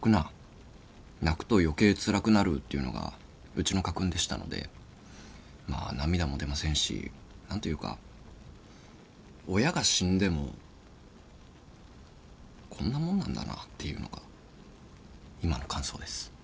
泣くと余計つらくなる」っていうのがうちの家訓でしたのでまあ涙も出ませんし何というか親が死んでもこんなもんなんだなっていうのが今の感想です。